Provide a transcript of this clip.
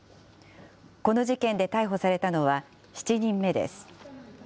この事件で逮捕されたのは、７人目です。